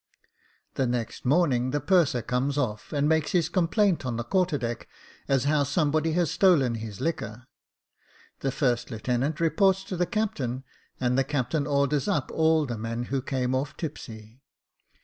The next morning the purser comes off, and makes his complaint on the quarter deck, as how somebody had stolen his liquor. The first lieutenant reports to the captain, and the captain orders up all the men who came off tipsy.